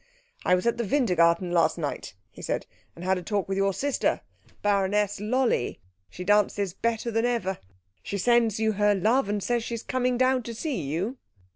"I was at the Wintergarten last night," he said, "and had a talk with your sister, Baroness Lolli. She dances better than ever. She sends you her love, and says she is coming down to see you."